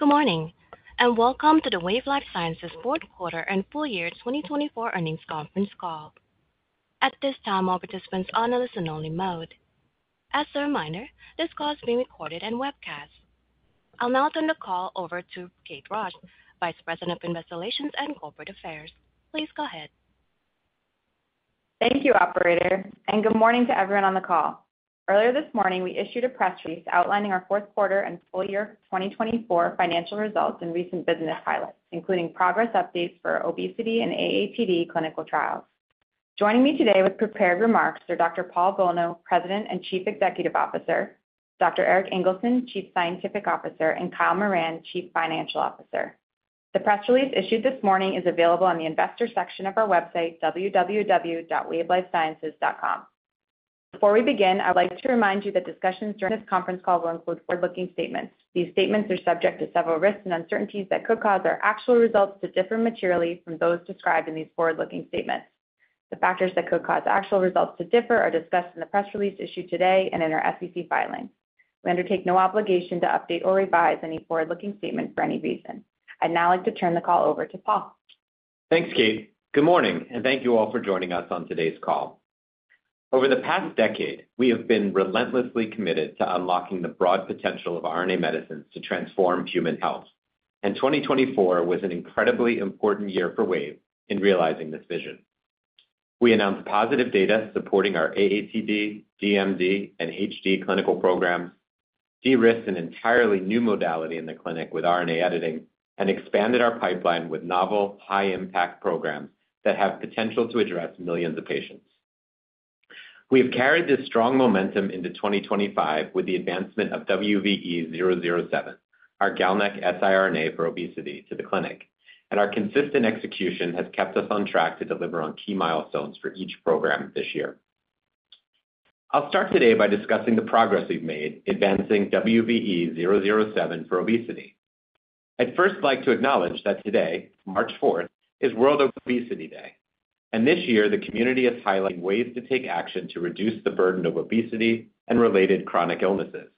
Good morning and welcome to the Wave Life Sciences Fourth Quarter and Full Year 2024 Earnings Conference Call. At this time, all participants are on a listen-only mode. As a reminder, this call is being recorded and webcast. I'll now turn the call over to Kate Rausch, Vice President of Investor Relations and Corporate Affairs. Please go ahead. Thank you, Operator, and good morning to everyone on the call. Earlier this morning, we issued a press release outlining our Fourth Quarter and Full Year 2024 Financial Results and recent business pilots, including progress updates for obesity and AATD clinical trials. Joining me today with prepared remarks are Dr. Paul Bolno, President and Chief Executive Officer; Dr. Erik Ingelsson, Chief Scientific Officer; and Kyle Moran, Chief Financial Officer. The press release issued this morning is available on the investor section of our website, www.wavelifesciences.com. Before we begin, I would like to remind you that discussions during this conference call will include forward-looking statements. These statements are subject to several risks and uncertainties that could cause our actual results to differ materially from those described in these forward-looking statements. The factors that could cause actual results to differ are discussed in the press release issued today and in our SEC filing. We undertake no obligation to update or revise any forward-looking statement for any reason. I'd now like to turn the call over to Paul. Thanks, Kate. Good morning, and thank you all for joining us on today's call. Over the past decade, we have been relentlessly committed to unlocking the broad potential of RNA medicines to transform human health, and 2024 was an incredibly important year for Wave in realizing this vision. We announced positive data supporting our AATD, DMD, and HD clinical programs, de-risked an entirely new modality in the clinic with RNA editing, and expanded our pipeline with novel, high-impact programs that have potential to address millions of patients. We have carried this strong momentum into 2025 with the advancement of WVE-007, our GalNAc siRNA for obesity, to the clinic, and our consistent execution has kept us on track to deliver on key milestones for each program this year. I'll start today by discussing the progress we've made advancing WVE-007 for obesity. I'd first like to acknowledge that today, March 4th, is World Obesity Day, and this year, the community is highlighting ways to take action to reduce the burden of obesity and related chronic illnesses.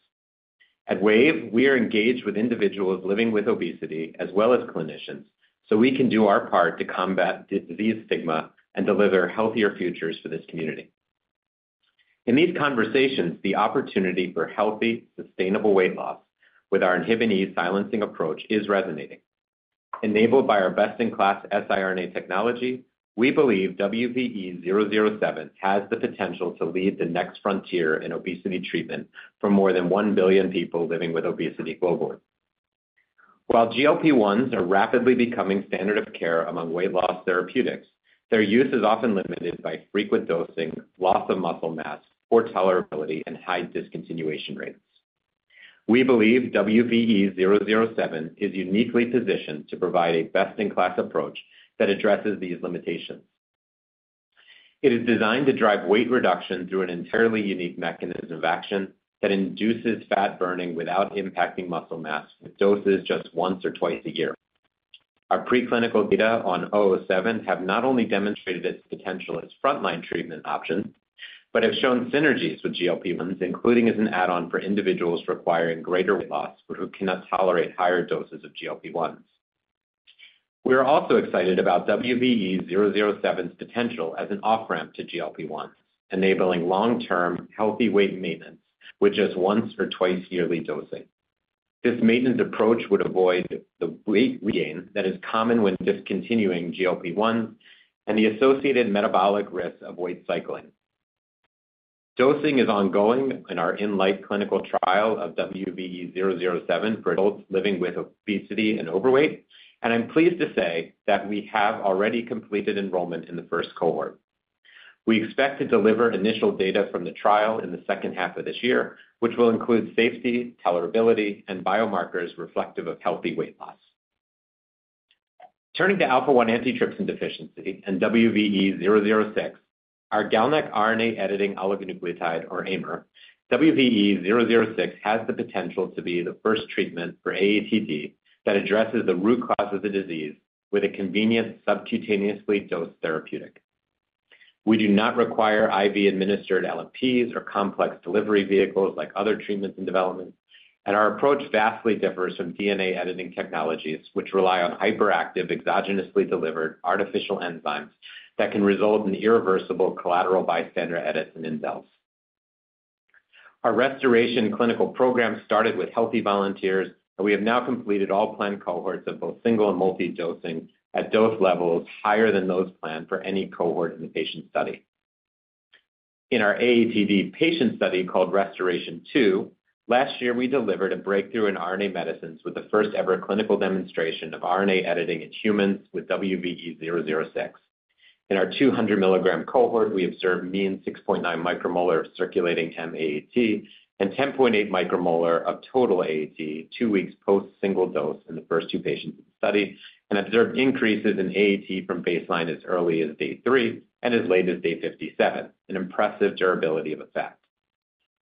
At Wave, we are engaged with individuals living with obesity as well as clinicians, so we can do our part to combat disease stigma and deliver healthier futures for this community. In these conversations, the opportunity for healthy, sustainable weight loss with our inhibin E silencing approach is resonating. Enabled by our best-in-class siRNA technology, we believe WVE-007 has the potential to lead the next frontier in obesity treatment for more than 1 billion people living with obesity globally. While GLP-1s are rapidly becoming standard of care among weight loss therapeutics, their use is often limited by frequent dosing, loss of muscle mass, poor tolerability, and high discontinuation rates. We believe WVE-007 is uniquely positioned to provide a best-in-class approach that addresses these limitations. It is designed to drive weight reduction through an entirely unique mechanism of action that induces fat burning without impacting muscle mass with doses just once or twice a year. Our preclinical data on WVE-007 have not only demonstrated its potential as a frontline treatment option but have shown synergies with GLP-1s, including as an add-on for individuals requiring greater weight loss or who cannot tolerate higher doses of GLP-1s. We are also excited about WVE-007's potential as an off-ramp to GLP-1s, enabling long-term healthy weight maintenance with just once or twice yearly dosing. This maintenance approach would avoid the weight regain that is common when discontinuing GLP-1s and the associated metabolic risk of weight cycling. Dosing is ongoing in our in-lite clinical trial of WVE-007 for adults living with obesity and overweight, and I'm pleased to say that we have already completed enrollment in the first cohort. We expect to deliver initial data from the trial in the second half of this year, which will include safety, tolerability, and biomarkers reflective of healthy weight loss. Turning to alpha-1 antitrypsin deficiency and WVE-006, our GalNAc RNA editing oligonucleotide, or ADAR, WVE-006 has the potential to be the first treatment for AATD that addresses the root cause of the disease with a convenient subcutaneously dosed therapeutic. We do not require IV-administered LFPs or complex delivery vehicles like other treatments in development, and our approach vastly differs from DNA editing technologies, which rely on hyperactive, exogenously delivered artificial enzymes that can result in irreversible collateral bystander edits and indels. Our restoration clinical program started with healthy volunteers, and we have now completed all planned cohorts of both single and multi-dosing at dose levels higher than those planned for any cohort in the patient study. In our AATD patient study called RESTORE-2, last year, we delivered a breakthrough in RNA medicines with the first-ever clinical demonstration of RNA editing in humans with WVE-006. In our 200 mg cohort, we observed mean 6.9 micromolar of circulating M-AAT and 10.8 micromolar of total AAT two weeks post-single dose in the first two patients in the study, and observed increases in AAT from baseline as early as day three and as late as day 57, an impressive durability of effect.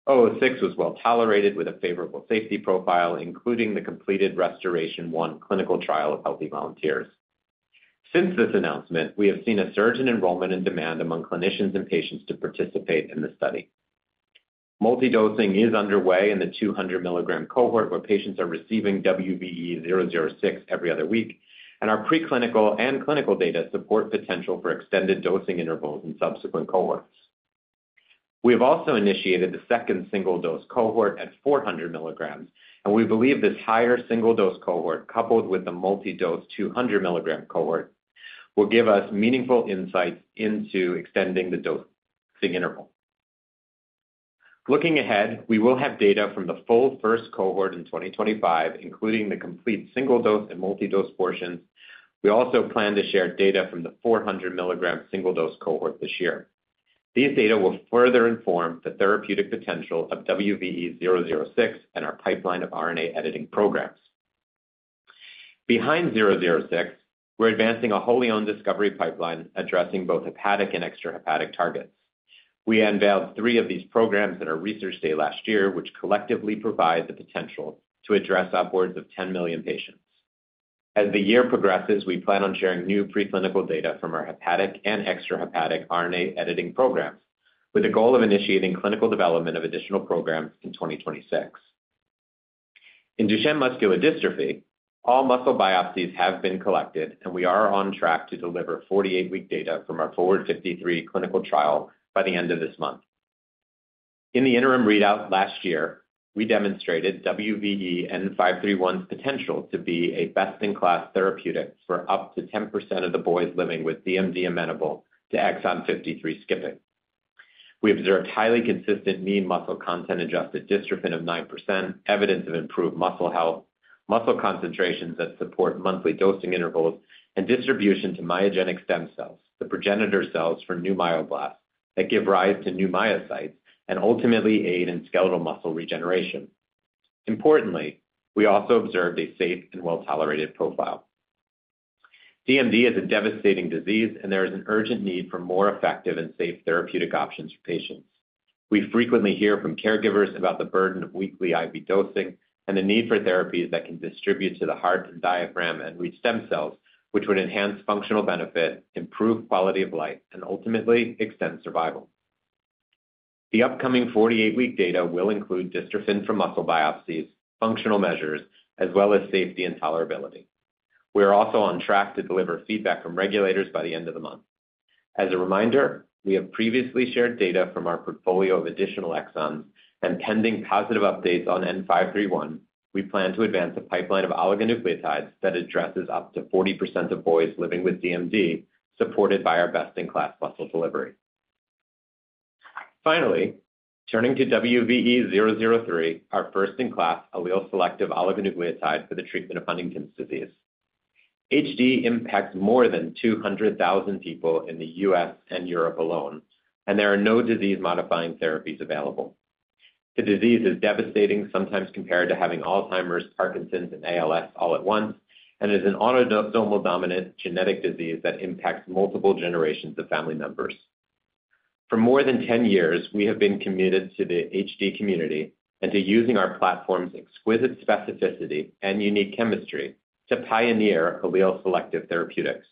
006 was well tolerated with a favorable safety profile, including the completed RESTORE-1 clinical trial of healthy volunteers. Since this announcement, we have seen a surge in enrollment and demand among clinicians and patients to participate in the study. Multi-dosing is underway in the 200 mg cohort where patients are receiving WVE-006 every other week, and our preclinical and clinical data support potential for extended dosing intervals in subsequent cohorts. We have also initiated the second single-dose cohort at 400 mg, and we believe this higher single-dose cohort coupled with the multi-dose 200 mg cohort will give us meaningful insights into extending the dosing interval. Looking ahead, we will have data from the full first cohort in 2025, including the complete single-dose and multi-dose portions. We also plan to share data from the 400 mg single-dose cohort this year. These data will further inform the therapeutic potential of WVE-006 and our pipeline of RNA editing programs. Behind 006, we're advancing a wholly owned discovery pipeline addressing both hepatic and extrahepatic targets. We unveiled three of these programs at our research day last year, which collectively provide the potential to address upwards of 10 million patients. As the year progresses, we plan on sharing new preclinical data from our hepatic and extrahepatic RNA editing programs with the goal of initiating clinical development of additional programs in 2026. In Duchenne muscular dystrophy, all muscle biopsies have been collected, and we are on track to deliver 48-week data from our FORWARD-53 clinical trial by the end of this month. In the interim readout last year, we demonstrated WVE-N531's potential to be a best-in-class therapeutic for up to 10% of the boys living with DMD amenable to exon 53 skipping. We observed highly consistent mean muscle content-adjusted dystrophin of 9%, evidence of improved muscle health, muscle concentrations that support monthly dosing intervals, and distribution to myogenic stem cells, the progenitor cells for new myoblasts that give rise to new myocytes and ultimately aid in skeletal muscle regeneration. Importantly, we also observed a safe and well-tolerated profile. DMD is a devastating disease, and there is an urgent need for more effective and safe therapeutic options for patients. We frequently hear from caregivers about the burden of weekly IV dosing and the need for therapies that can distribute to the heart and diaphragm and reach stem cells, which would enhance functional benefit, improve quality of life, and ultimately extend survival. The upcoming 48-week data will include dystrophin from muscle biopsies, functional measures, as well as safety and tolerability. We are also on track to deliver feedback from regulators by the end of the month. As a reminder, we have previously shared data from our portfolio of additional exons and pending positive updates on N531. We plan to advance a pipeline of oligonucleotides that addresses up to 40% of boys living with DMD, supported by our best-in-class muscle delivery. Finally, turning to WVE-003, our first-in-class allele-selective oligonucleotide for the treatment of Huntington's disease. HD impacts more than 200,000 people in the U.S. and Europe alone, and there are no disease-modifying therapies available. The disease is devastating, sometimes compared to having Alzheimer's, Parkinson's, and ALS all at once, and is an autosomal dominant genetic disease that impacts multiple generations of family members. For more than 10 years, we have been committed to the HD community and to using our platform's exquisite specificity and unique chemistry to pioneer allele-selective therapeutics.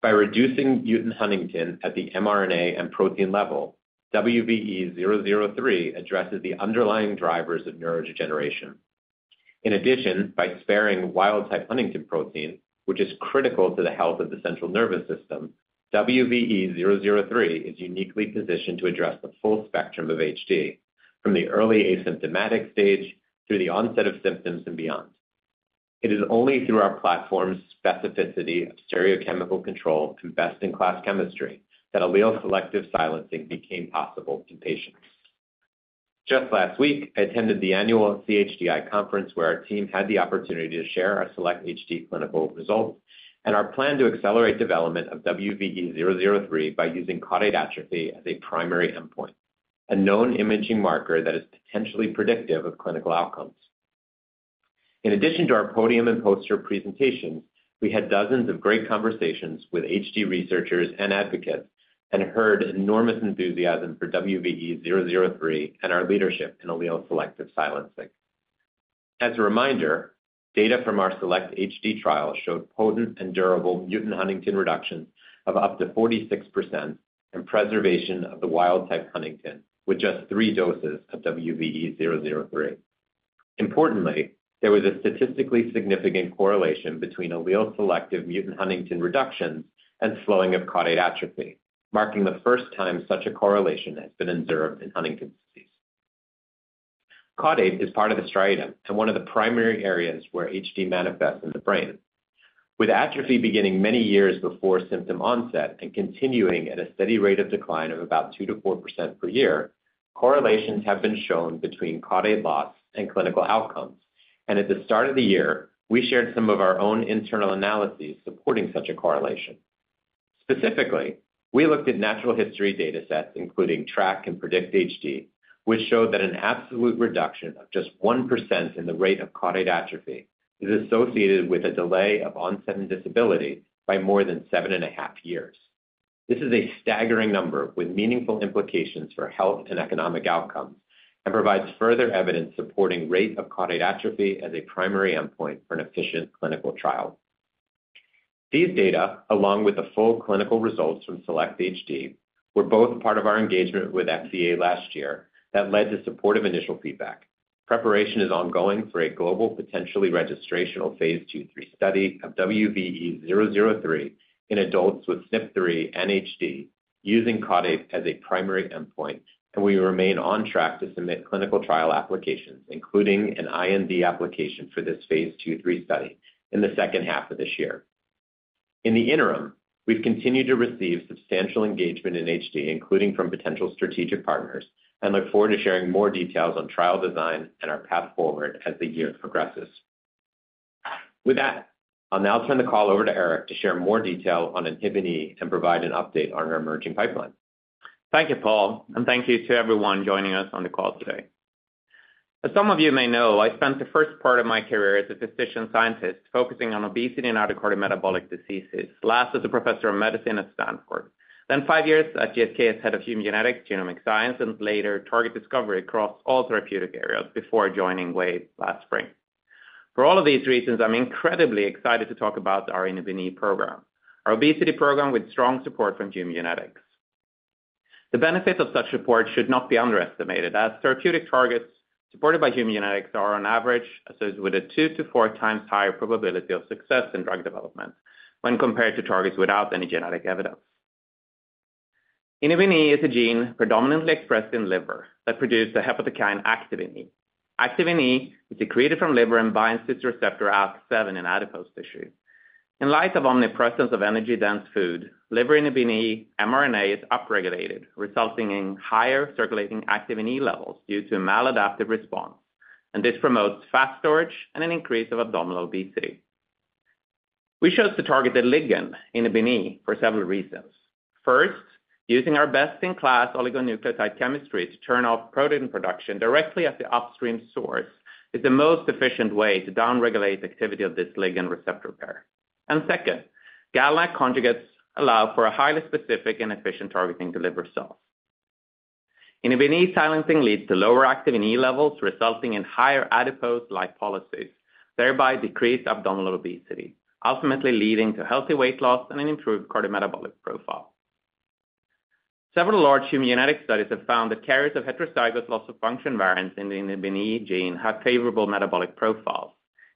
By reducing mutant Huntington at the mRNA and protein level, WVE-003 addresses the underlying drivers of neurodegeneration. In addition, by sparing wild-type Huntington protein, which is critical to the health of the central nervous system, WVE-003 is uniquely positioned to address the full spectrum of HD, from the early asymptomatic stage through the onset of symptoms and beyond. It is only through our platform's specificity of stereochemical control and best-in-class chemistry that allele-selective silencing became possible in patients. Just last week, I attended the annual CHDI conference where our team had the opportunity to share our select HD clinical results and our plan to accelerate development of WVE-003 by using caudate atrophy as a primary endpoint, a known imaging marker that is potentially predictive of clinical outcomes. In addition to our podium and poster presentations, we had dozens of great conversations with HD researchers and advocates and heard enormous enthusiasm for WVE-003 and our leadership in allele-selective silencing. As a reminder, data from our select HD trial showed potent and durable mutant Huntington reductions of up to 46% and preservation of the wild-type Huntington with just three doses of WVE-003. Importantly, there was a statistically significant correlation between allele-selective mutant Huntington reductions and slowing of caudate atrophy, marking the first time such a correlation has been observed in Huntington's disease. Caudate is part of the striatum and one of the primary areas where HD manifests in the brain. With atrophy beginning many years before symptom onset and continuing at a steady rate of decline of about 2%-4% per year, correlations have been shown between caudate loss and clinical outcomes, and at the start of the year, we shared some of our own internal analyses supporting such a correlation. Specifically, we looked at natural history data sets, including TRACK-HD and PREDICT-HD, which showed that an absolute reduction of just 1% in the rate of caudate atrophy is associated with a delay of onset and disability by more than seven and a half years. This is a staggering number with meaningful implications for health and economic outcomes and provides further evidence supporting the rate of caudate atrophy as a primary endpoint for an efficient clinical trial. These data, along with the full clinical results from select HD, were both part of our engagement with FDA last year that led to supportive initial feedback. Preparation is ongoing for a global potentially registrational phase 2/3 study of WVE-003 in adults with SNP3 and HD using caudate as a primary endpoint, and we remain on track to submit clinical trial applications, including an IND application for this phase 2/3 study in the second half of this year. In the interim, we've continued to receive substantial engagement in HD, including from potential strategic partners, and look forward to sharing more details on trial design and our path forward as the year progresses. With that, I'll now turn the call over to Erik to share more detail on Inhibin E and provide an update on our emerging pipeline. Thank you, Paul, and thank you to everyone joining us on the call today. As some of you may know, I spent the first part of my career as a physician scientist focusing on obesity and autocrine metabolic diseases, last as a professor of medicine at Stanford, then five years at GSK as head of human genetics, genomic science, and later target discovery across all therapeutic areas before joining Wave last spring. For all of these reasons, I'm incredibly excited to talk about our Inhibin E program, our obesity program with strong support from human genetics. The benefits of such support should not be underestimated, as therapeutic targets supported by human genetics are on average associated with a two- to four-times higher probability of success in drug development when compared to targets without any genetic evidence. Inhibin E is a gene predominantly expressed in liver that produces a hepatocyte activin E. Activin E is secreted from liver and binds to its receptor ALK7 in adipose tissue. In light of omnipresence of energy-dense food, liver inhibin E mRNA is upregulated, resulting in higher circulating activin E levels due to a maladaptive response, and this promotes fat storage and an increase of abdominal obesity. We chose to target the ligand inhibin E for several reasons. First, using our best-in-class oligonucleotide chemistry to turn off protein production directly at the upstream source is the most efficient way to downregulate activity of this ligand receptor pair. Second, GalNAc conjugates allow for a highly specific and efficient targeting to liver cells. Inhibin E silencing leads to lower activin E levels, resulting in higher adipose-like polycytes, thereby decreased abdominal obesity, ultimately leading to healthy weight loss and an improved cardiometabolic profile. Several large human genetic studies have found that carriers of heterozygous loss-of-function variants in the Inhibin E gene have favorable metabolic profiles,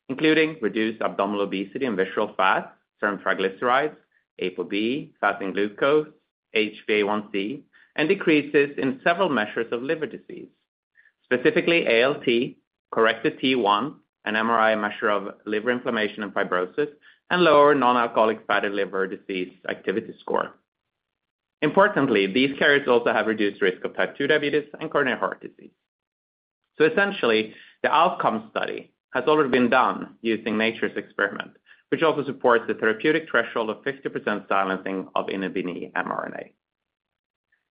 including reduced abdominal obesity in visceral fat, serum triglycerides, ApoB, fasting glucose, HbA1c, and decreases in several measures of liver disease, specifically ALT, corrected T1, an MRI measure of liver inflammation and fibrosis, and lower non-alcoholic fatty liver disease activity score. Importantly, these carriers also have reduced risk of type 2 diabetes and coronary heart disease. Essentially, the outcome study has already been done using Nature's experiment, which also supports the therapeutic threshold of 50% silencing of Inhibin E mRNA.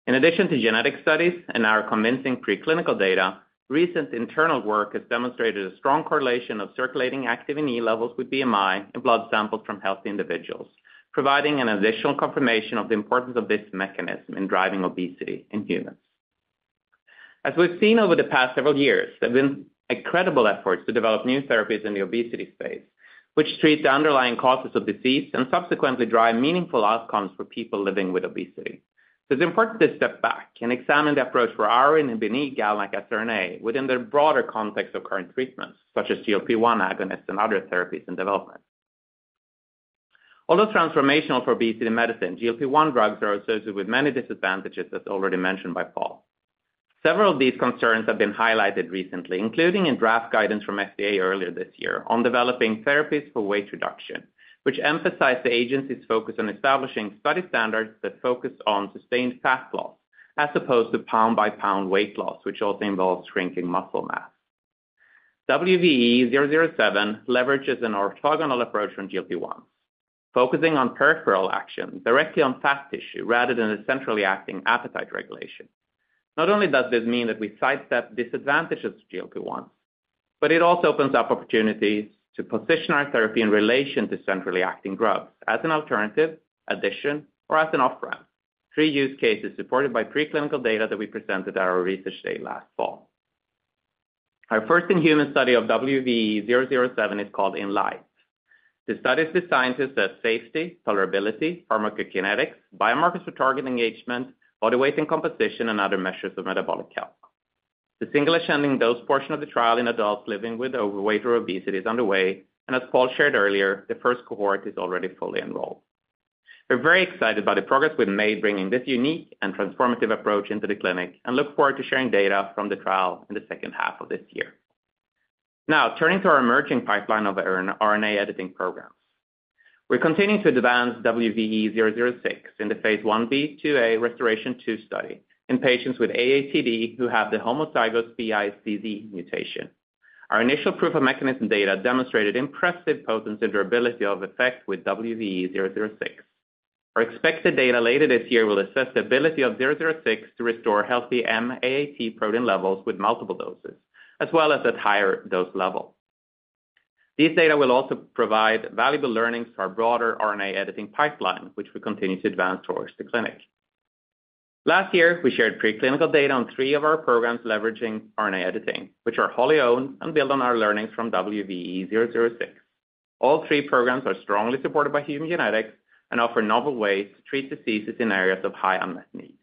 In addition to genetic studies and our convincing preclinical data, recent internal work has demonstrated a strong correlation of circulating Activin E levels with BMI in blood samples from healthy individuals, providing an additional confirmation of the importance of this mechanism in driving obesity in humans. As we've seen over the past several years, there have been incredible efforts to develop new therapies in the obesity space, which treat the underlying causes of disease and subsequently drive meaningful outcomes for people living with obesity. It is important to step back and examine the approach for our inhibin E GalNAc siRNA within the broader context of current treatments, such as GLP-1 agonists and other therapies in development. Although transformational for obesity medicine, GLP-1 drugs are associated with many disadvantages as already mentioned by Paul. Several of these concerns have been highlighted recently, including in draft guidance from FDA earlier this year on developing therapies for weight reduction, which emphasized the agency's focus on establishing study standards that focus on sustained fat loss as opposed to pound-by-pound weight loss, which also involves shrinking muscle mass. WVE-007 leverages an orthogonal approach from GLP-1s, focusing on peripheral action directly on fat tissue rather than a centrally acting appetite regulation. Not only does this mean that we sidestep disadvantages of GLP-1s, but it also opens up opportunities to position our therapy in relation to centrally acting drugs as an alternative, addition, or as an off-ramp, three use cases supported by preclinical data that we presented at our research day last fall. Our first in-human study of WVE-007 is called In Life. The study is designed to assess safety, tolerability, pharmacokinetics, biomarkers for target engagement, body weight and composition, and other measures of metabolic health. The single-ascending dose portion of the trial in adults living with overweight or obesity is underway, and as Paul shared earlier, the first cohort is already fully enrolled. We're very excited by the progress we've made bringing this unique and transformative approach into the clinic and look forward to sharing data from the trial in the second half of this year. Now, turning to our emerging pipeline of RNA editing programs, we're continuing to advance WVE-006 in the phase 1b/2a RESTORE-2 study in patients with AATD who have the homozygous Pi*Z mutation. Our initial proof of mechanism data demonstrated impressive potency and durability of effect with WVE-006. Our expected data later this year will assess the ability of 006 to restore healthy M-AAT protein levels with multiple doses, as well as at higher dose level. These data will also provide valuable learnings for our broader RNA editing pipeline, which we continue to advance towards the clinic. Last year, we shared preclinical data on three of our programs leveraging RNA editing, which are wholly owned and built on our learnings from WVE-006. All three programs are strongly supported by human genetics and offer novel ways to treat diseases in areas of high unmet need.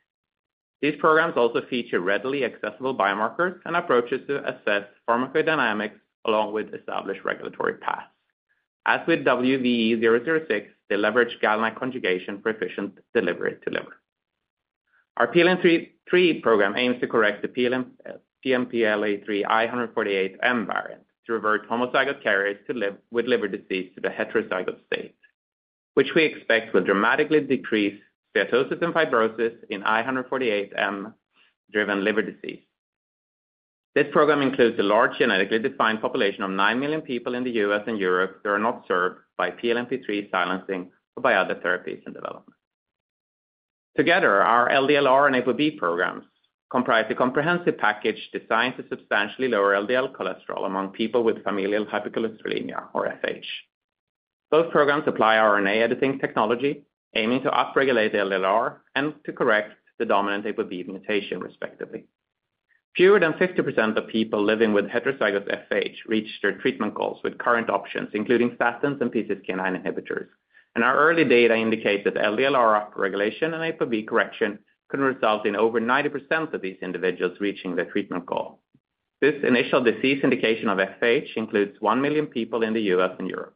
These programs also feature readily accessible biomarkers and approaches to assess pharmacodynamics along with established regulatory paths. As with WVE-006, they leverage GalNAc conjugation for efficient delivery to liver. Our PNPLA3 program aims to correct the PNPLA3 I148M variant to revert homozygous carriers with liver disease to the heterozygous state, which we expect will dramatically decrease steatosis and fibrosis in I148M-driven liver disease. This program includes a large genetically defined population of 9 million people in the U.S. and Europe that are not served by PNPLA3 silencing or by other therapies in development. Together, our LDL-R and ApoB programs comprise a comprehensive package designed to substantially lower LDL cholesterol among people with familial hypercholesterolemia, or FH. Both programs apply RNA editing technology, aiming to upregulate LDL-R and to correct the dominant ApoB mutation, respectively. Fewer than 50% of people living with heterozygous FH reach their treatment goals with current options, including statins and PCSK9 inhibitors, and our early data indicates that LDL-R upregulation and ApoB correction could result in over 90% of these individuals reaching their treatment goal. This initial disease indication of FH includes 1 million people in the U.S. and Europe.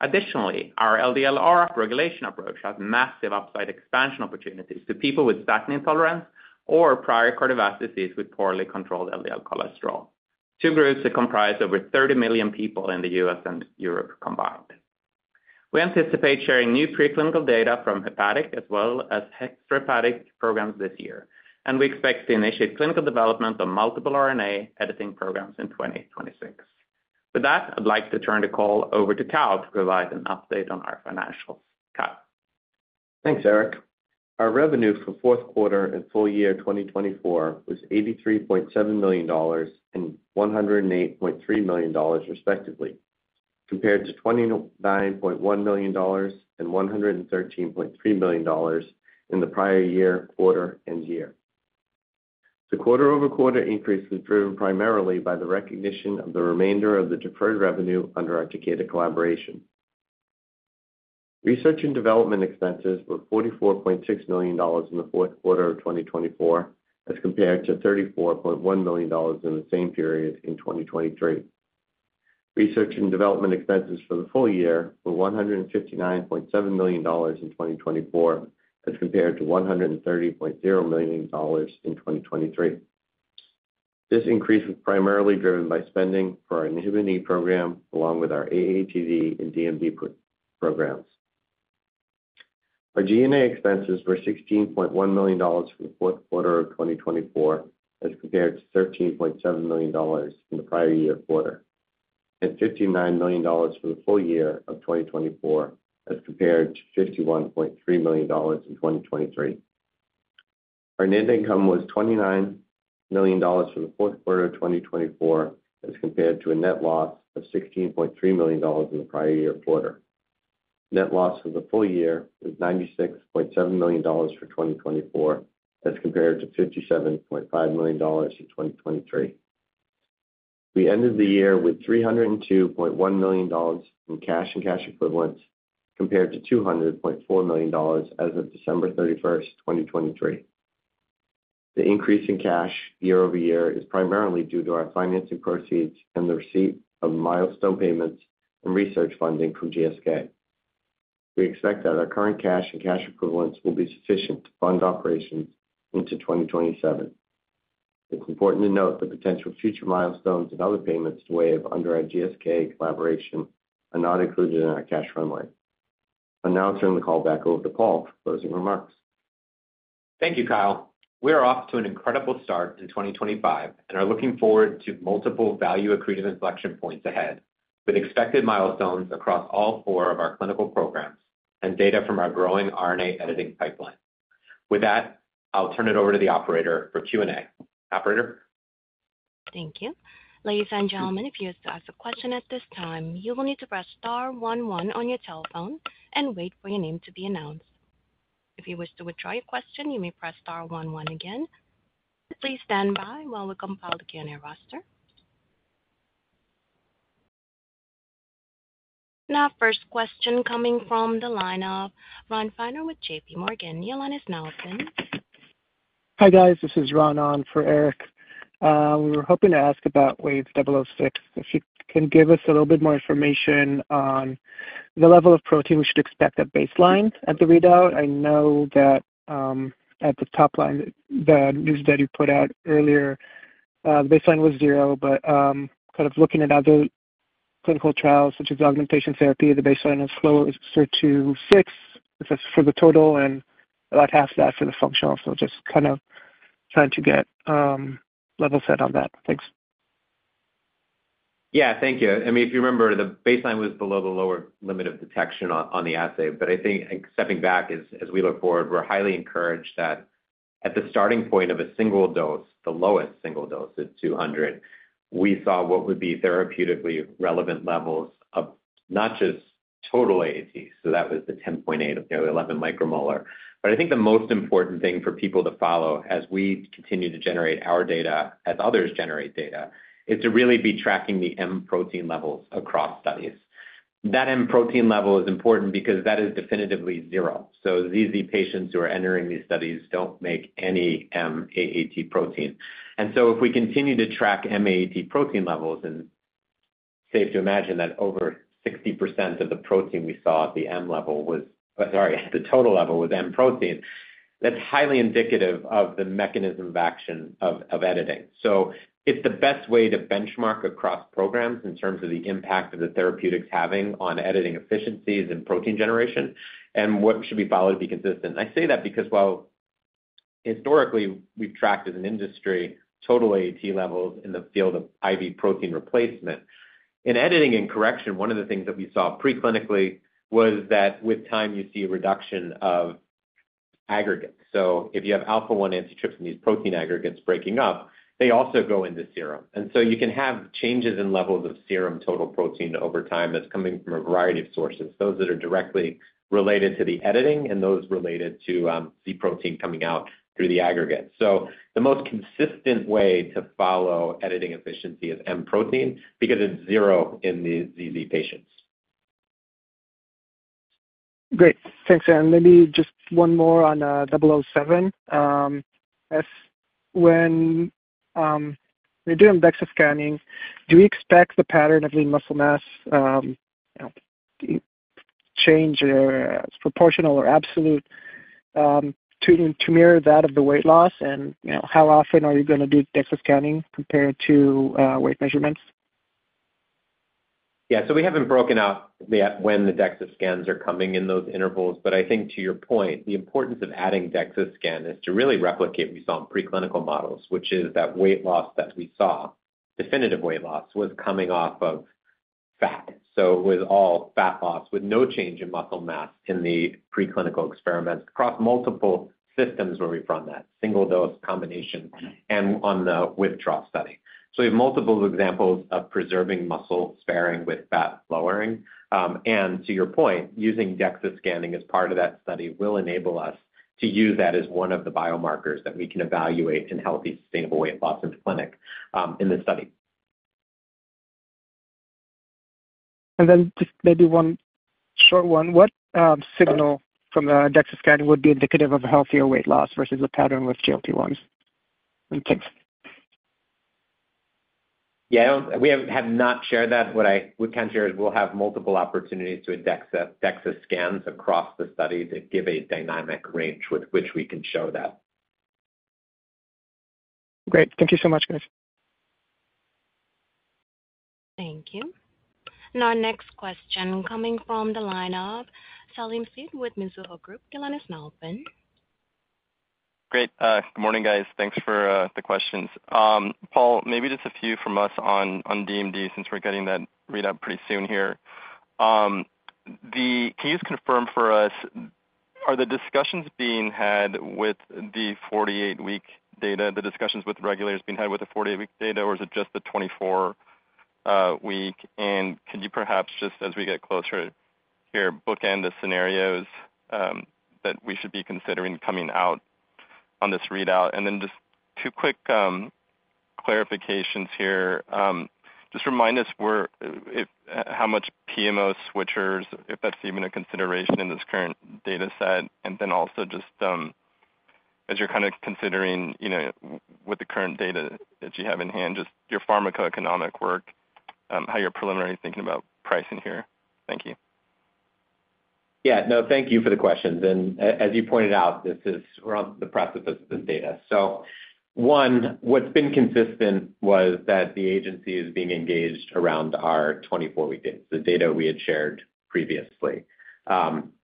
Additionally, our LDL-R upregulation approach has massive upside expansion opportunities for people with statin intolerance or prior cardiovascular disease with poorly controlled LDL cholesterol, two groups that comprise over 30 million people in the U.S. and Europe combined. We anticipate sharing new preclinical data from hepatic as well as extrahepatic programs this year, and we expect to initiate clinical development of multiple RNA editing programs in 2026. With that, I'd like to turn the call over to Kyle to provide an update on our financials. Kyle. Thanks, Erik Our revenue for fourth quarter and full year 2024 was $83.7 million and $108.3 million, respectively, compared to $29.1 million and $113.3 million in the prior year, quarter, and year. The quarter-over-quarter increase was driven primarily by the recognition of the remainder of the deferred revenue under our Takeda collaboration. Research and development expenses were $44.6 million in the fourth quarter of 2024, as compared to $34.1 million in the same period in 2023. Research and development expenses for the full year were $159.7 million in 2024, as compared to $130.0 million in 2023. This increase was primarily driven by spending for our Inhibin E program, along with our AATD and DMD programs. Our G&A expenses were $16.1 million for the fourth quarter of 2024, as compared to $13.7 million in the prior year quarter, and $59 million for the full year of 2024, as compared to $51.3 million in 2023. Our net income was $29 million for the fourth quarter of 2024, as compared to a net loss of $16.3 million in the prior year quarter. Net loss for the full year was $96.7 million for 2024, as compared to $57.5 million in 2023. We ended the year with $302.1 million in cash and cash equivalents, compared to $200.4 million as of December 31, 2023. The increase in cash year over year is primarily due to our financing proceeds and the receipt of milestone payments and research funding from GSK. We expect that our current cash and cash equivalents will be sufficient to fund operations into 2027. It's important to note the potential future milestones and other payments to Wave under our GSK collaboration are not included in our cash runway. I'll now turn the call back over to Paul for closing remarks. Thank you, Kyle. We're off to an incredible start in 2025 and are looking forward to multiple value-accretive inflection points ahead with expected milestones across all four of our clinical programs and data from our growing RNA editing pipeline. With that, I'll turn it over to the operator for Q&A. Operator. Thank you. Ladies and gentlemen, if you wish to ask a question at this time, you will need to press star one one on your telephone and wait for your name to be announced. If you wish to withdraw your question, you may press star one one again. Please stand by while we compile the Q&A roster. Now, first question coming from the line of Ron Feiner with J.P. Morgan. Your line is now open. Hi, guys. This is Ron, for Erik. We were hoping to ask about WVE-006. If you can give us a little bit more information on the level of protein we should expect at baseline at the readout. I know that at the top line, the news that you put out earlier, the baseline was zero, but kind of looking at other clinical trials, such as augmentation therapy, the baseline is closer to six, if that's for the total, and about half that for the functional. So just kind of trying to get level set on that. Thanks. Yeah, thank you. I mean, if you remember, the baseline was below the lower limit of detection on the assay, but I think stepping back as we look forward, we're highly encouraged that at the starting point of a single dose, the lowest single dose at 200, we saw what would be therapeutically relevant levels of not just total AAT, so that was the 10.8 of the 11 micromolar. I think the most important thing for people to follow as we continue to generate our data, as others generate data, is to really be tracking the M protein levels across studies. That M protein level is important because that is definitively zero. ZZ patients who are entering these studies don't make any M-AAT protein. If we continue to track M-AAT protein levels, and safe to imagine that over 60% of the protein we saw at the M level was, sorry, at the total level was M protein, that's highly indicative of the mechanism of action of editing. It's the best way to benchmark across programs in terms of the impact the therapeutics are having on editing efficiencies and protein generation, and what should be followed to be consistent. I say that because while historically we've tracked as an industry total AAT levels in the field of IV protein replacement, in editing and correction, one of the things that we saw preclinically was that with time, you see a reduction of aggregates. If you have alpha-1 antitrypsin, these protein aggregates breaking up, they also go into serum. You can have changes in levels of serum total protein over time that are coming from a variety of sources, those that are directly related to the editing and those related to the protein coming out through the aggregate. The most consistent way to follow editing efficiency is M protein because it is zero in the ZZ patients. Great. Thanks, Maybe just one more on 007. When we are doing DEXA scanning, do we expect the pattern of lean muscle mass change as proportional or absolute to mirror that of the weight loss? How often are you going to do DEXA scanning compared to weight measurements? Yeah, we haven't broken out when the DEXA scans are coming in those intervals, but I think to your point, the importance of adding DEXA scan is to really replicate what we saw in preclinical models, which is that weight loss that we saw, definitive weight loss, was coming off of fat. It was all fat loss with no change in muscle mass in the preclinical experiments across multiple systems where we've run that single dose combination and on the withdrawal study. We have multiple examples of preserving muscle sparing with fat lowering. To your point, using DEXA scanning as part of that study will enable us to use that as one of the biomarkers that we can evaluate in healthy, sustainable weight loss in the clinic in the study. Just maybe one short one. What signal from the DEXA scan would be indicative of a healthier weight loss versus a pattern with GLP-1s? Thanks. Yeah, we have not shared that. What I would kind of share is we'll have multiple opportunities to add DEXA scans across the study to give a dynamic range with which we can show that. Great. Thank you so much, guys. Thank you. Now, next question coming from the line of Salim Syed with Mizuho Group, your line is now open. Great. Good morning, guys. Thanks for the questions. Paul, maybe just a few from us on DMD since we're getting that readout pretty soon here. Can you just confirm for us, are the discussions being had with the 48-week data, the discussions with regulators being had with the 48-week data, or is it just the 24-week? Could you perhaps, just as we get closer here, bookend the scenarios that we should be considering coming out on this readout? Just two quick clarifications here. Just remind us how much PMO switchers, if that's even a consideration in this current data set. Also, just as you're kind of considering with the current data that you have in hand, just your pharmacoeconomic work, how you're preliminary thinking about pricing here. Thank you. Yeah, no, thank you for the questions. As you pointed out, we're on the precipice of this data. One, what's been consistent was that the agency is being engaged around our 24-week data, the data we had shared previously.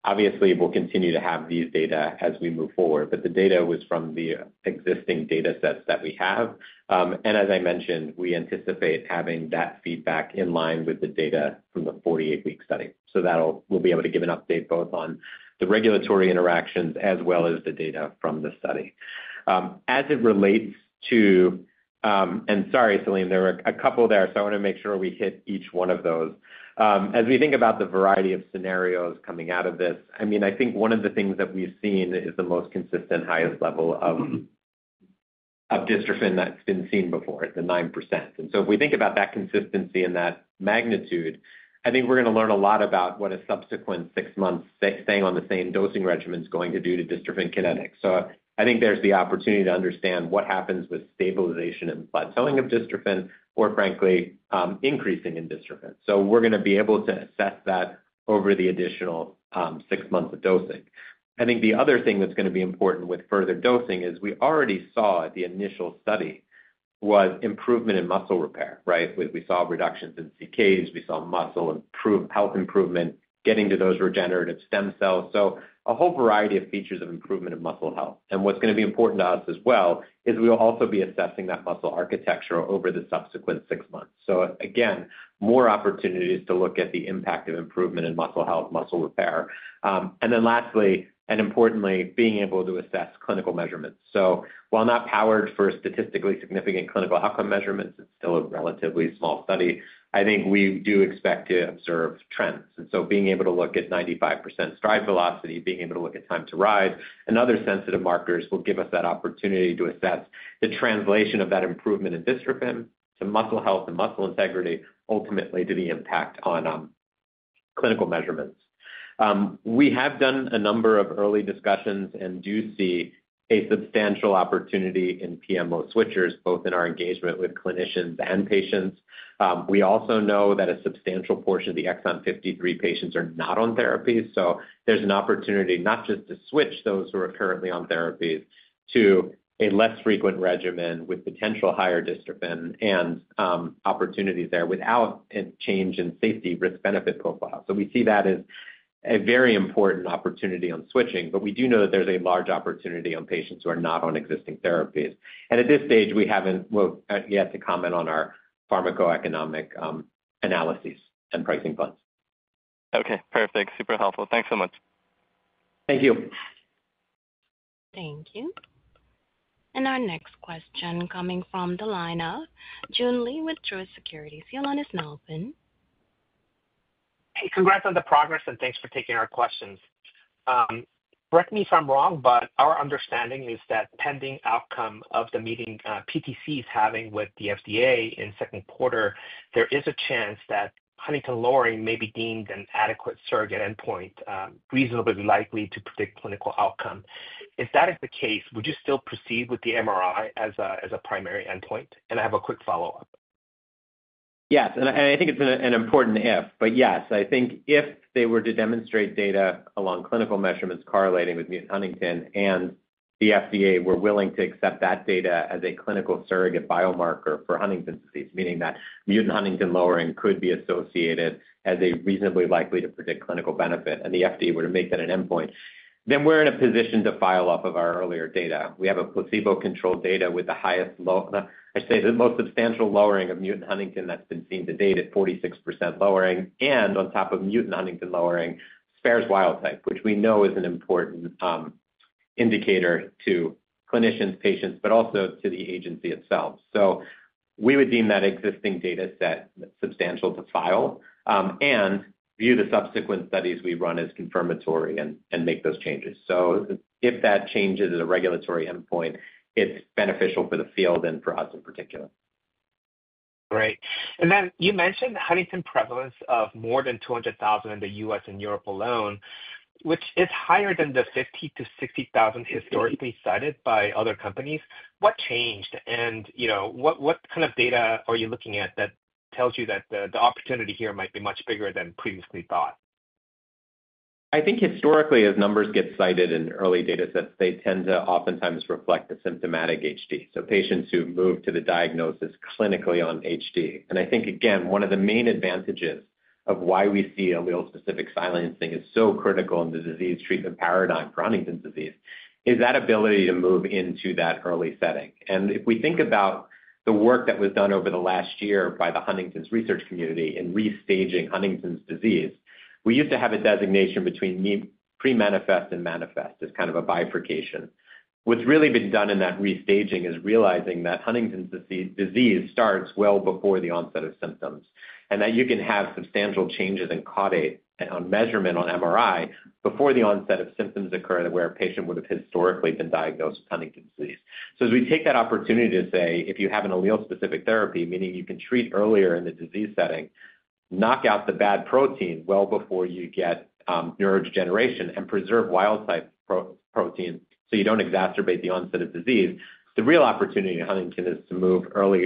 Obviously, we'll continue to have these data as we move forward, but the data was from the existing data sets that we have. As I mentioned, we anticipate having that feedback in line with the data from the 48-week study. We will be able to give an update both on the regulatory interactions as well as the data from the study. As it relates to—sorry, Salim, there were a couple there, so I want to make sure we hit each one of those. As we think about the variety of scenarios coming out of this, I mean, I think one of the things that we've seen is the most consistent highest level of dystrophin that's been seen before, the 9%. If we think about that consistency and that magnitude, I think we're going to learn a lot about what a subsequent six months staying on the same dosing regimen is going to do to dystrophin kinetics. I think there's the opportunity to understand what happens with stabilization and plateauing of dystrophin, or frankly, increasing in dystrophin. We're going to be able to assess that over the additional six months of dosing. I think the other thing that's going to be important with further dosing is we already saw at the initial study was improvement in muscle repair, right? We saw reductions in CKs. We saw muscle health improvement, getting to those regenerative stem cells. A whole variety of features of improvement of muscle health. What's going to be important to us as well is we'll also be assessing that muscle architecture over the subsequent six months. Again, more opportunities to look at the impact of improvement in muscle health, muscle repair. Lastly, and importantly, being able to assess clinical measurements. While not powered for statistically significant clinical outcome measurements, it's still a relatively small study, I think we do expect to observe trends. Being able to look at 95% stride velocity, being able to look at time to ride, and other sensitive markers will give us that opportunity to assess the translation of that improvement in dystrophin to muscle health and muscle integrity, ultimately to the impact on clinical measurements. We have done a number of early discussions and do see a substantial opportunity in PMO switchers, both in our engagement with clinicians and patients. We also know that a substantial portion of the Exon 53 patients are not on therapies. There is an opportunity not just to switch those who are currently on therapies to a less frequent regimen with potential higher dystrophin and opportunities there without a change in safety risk-benefit profile. We see that as a very important opportunity on switching, but we do know that there's a large opportunity on patients who are not on existing therapies. At this stage, we have not yet commented on our pharmacoeconomic analyses and pricing funds. Okay, perfect. Super helpful. Thanks so much. Thank you. Thank you. Our next question coming from the line of Joon Lee with Truist Securities, your line is now open. Hey, congrats on the progress, and thanks for taking our questions. Correct me if I'm wrong, but our understanding is that pending outcome of the meeting PTC is having with the FDA in second quarter, there is a chance that Huntingtin Lowering may be deemed an adequate surrogate endpoint, reasonably likely to predict clinical outcome. If that is the case, would you still proceed with the MRI as a primary endpoint? I have a quick follow-up. Yes. I think it's an important if, but yes, I think if they were to demonstrate data along clinical measurements correlating with mutant huntingtin and the FDA were willing to accept that data as a clinical surrogate biomarker for Huntington's disease, meaning that mutant huntingtin lowering could be associated as a reasonably likely to predict clinical benefit, and the FDA were to make that an endpoint, we're in a position to file off of our earlier data. We have placebo-controlled data with the highest, I should say, the most substantial lowering of mutant huntingtin that's been seen to date at 46% lowering, and on top of mutant huntingtin lowering, spares wild type, which we know is an important indicator to clinicians, patients, but also to the agency itself. We would deem that existing data set substantial to file and view the subsequent studies we run as confirmatory and make those changes. If that changes at a regulatory endpoint, it's beneficial for the field and for us in particular. Great. You mentioned Huntington prevalence of more than 200,000 in the U.S. and Europe alone, which is higher than the 50,000-60,000 historically cited by other companies. What changed? What kind of data are you looking at that tells you that the opportunity here might be much bigger than previously thought? I think historically, as numbers get cited in early data sets, they tend to oftentimes reflect a symptomatic HD, so patients who move to the diagnosis clinically on HD. I think, again, one of the main advantages of why we see allele-specific silencing is so critical in the disease treatment paradigm for Huntington's disease is that ability to move into that early setting. If we think about the work that was done over the last year by the Huntington's research community in restaging Huntington's disease, we used to have a designation between pre-manifest and manifest as kind of a bifurcation. What's really been done in that restaging is realizing that Huntington's disease starts well before the onset of symptoms, and that you can have substantial changes in caudate on measurement on MRI before the onset of symptoms occur where a patient would have historically been diagnosed with Huntington's disease. As we take that opportunity to say, if you have an allele-specific therapy, meaning you can treat earlier in the disease setting, knock out the bad protein well before you get neurodegeneration and preserve wild type protein so you do not exacerbate the onset of disease, the real opportunity in Huntington is to move early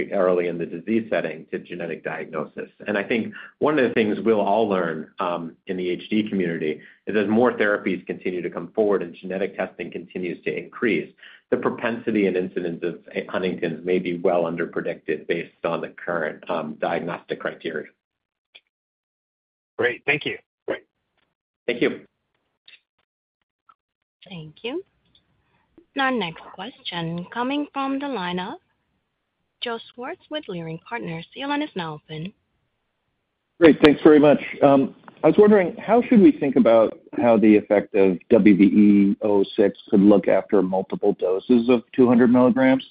in the disease setting to genetic diagnosis. I think one of the things we will all learn in the HD community is as more therapies continue to come forward and genetic testing continues to increase, the propensity and incidence of Huntington's may be well underpredicted based on the current diagnostic criteria. Great. Thank you. Thank you. Thank you. Next question coming from the line of Joe Swartz with Leerink Partners, your line is now open. Great. Thanks very much. I was wondering, how should we think about how the effect of WVE-006 could look after multiple doses of 200 milligrams?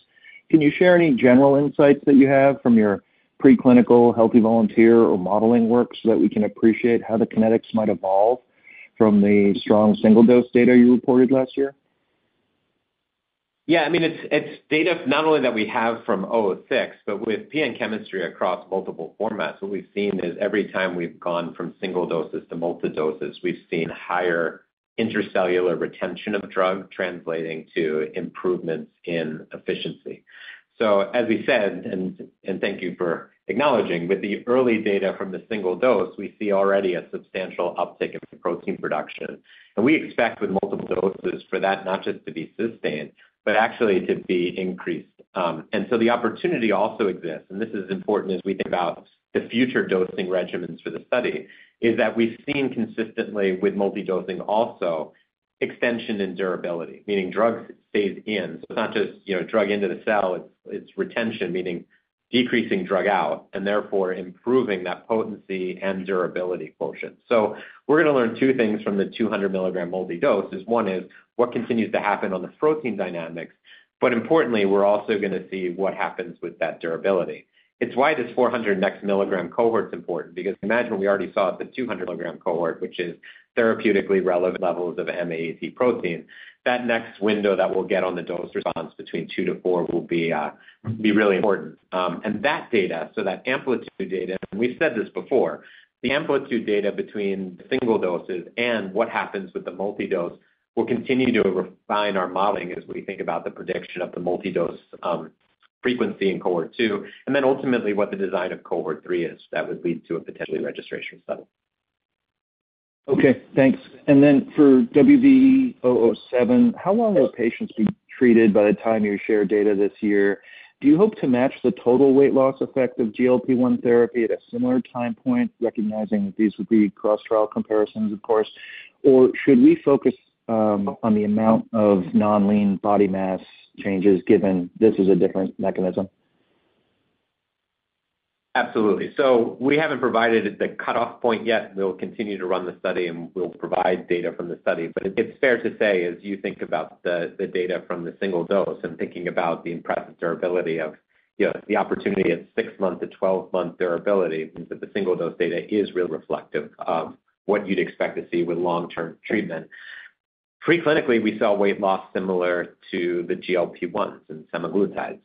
Can you share any general insights that you have from your preclinical healthy volunteer or modeling work so that we can appreciate how the kinetics might evolve from the strong single-dose data you reported last year? Yeah. I mean, it's data not only that we have from 006, but with PN chemistry across multiple formats. What we've seen is every time we've gone from single doses to multi-doses, we've seen higher intracellular retention of drug translating to improvements in efficiency. As we said, and thank you for acknowledging, with the early data from the single dose, we see already a substantial uptick in protein production. We expect with multiple doses for that not just to be sustained, but actually to be increased. The opportunity also exists. This is important as we think about the future dosing regimens for the study, as we have seen consistently with multi-dosing also extension and durability, meaning drug stays in. It is not just drug into the cell, it is retention, meaning decreasing drug out, and therefore improving that potency and durability portion. We are going to learn two things from the 200 mg multi-doses. One is what continues to happen on the protein dynamics, but importantly, we are also going to see what happens with that durability. It is why this 400 mg cohort is important because imagine we already saw the 200 mg cohort, which is therapeutically relevant levels of M-AAT protein. That next window that we will get on the dose response between 200-400 will be really important. That data, so that amplitude data, and we've said this before, the amplitude data between single doses and what happens with the multi-dose will continue to refine our modeling as we think about the prediction of the multi-dose frequency in cohort two, and then ultimately what the design of cohort three is that would lead to a potentially registration study. Okay. Thanks. For WVE-007, how long will patients be treated by the time you share data this year? Do you hope to match the total weight loss effect of GLP-1 therapy at a similar time point, recognizing that these would be cross-trial comparisons, of course? Should we focus on the amount of non-lean body mass changes given this is a different mechanism? Absolutely. We haven't provided the cutoff point yet. We'll continue to run the study, and we'll provide data from the study. It is fair to say, as you think about the data from the single dose and thinking about the impressive durability of the opportunity at 6-month-month-12-month durability, that the single-dose data is really reflective of what you would expect to see with long-term treatment. Pre-clinically, we saw weight loss similar to the GLP-1s and semaglutide.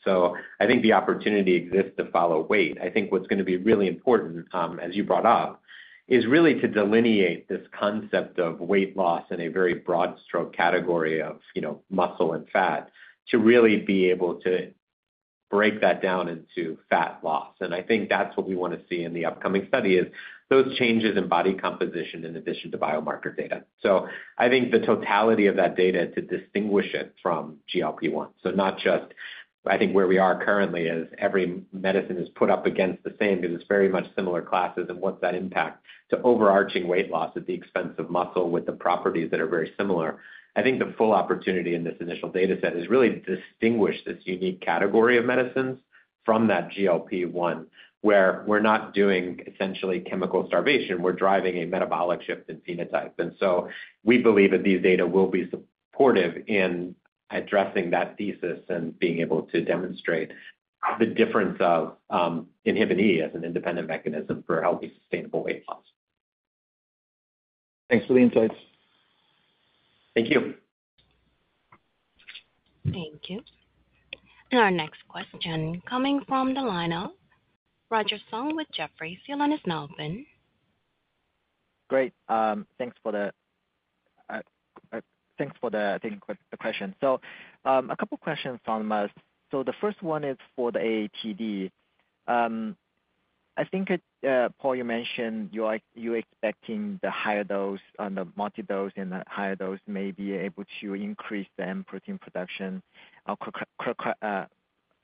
I think the opportunity exists to follow weight. I think what is going to be really important, as you brought up, is really to delineate this concept of weight loss in a very broad stroke category of muscle and fat to really be able to break that down into fat loss. I think that is what we want to see in the upcoming study, those changes in body composition in addition to biomarker data. I think the totality of that data will distinguish it from GLP-1. I think where we are currently is every medicine is put up against the same because it's very much similar classes and what's that impact to overarching weight loss at the expense of muscle with the properties that are very similar. I think the full opportunity in this initial data set is really to distinguish this unique category of medicines from that GLP-1, where we're not doing essentially chemical starvation. We're driving a metabolic shift in phenotype. We believe that these data will be supportive in addressing that thesis and being able to demonstrate the difference of inhibin E as an independent mechanism for healthy sustainable weight loss. Thanks for the insights. Thank you. Thank you. Our next question coming from the line of Roger Song with Jefferies, your line is now open. Great. Thanks for the thanks for the, I think, the question. A couple of questions on us. The first one is for the AATD. I think, Paul, you mentioned you're expecting the higher dose on the multi-dose and the higher dose may be able to increase the M protein production